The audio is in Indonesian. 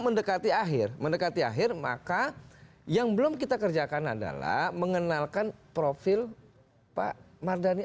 mendekati akhir mendekati akhir maka yang belum kita kerjakan adalah mengenalkan profil pak mardhani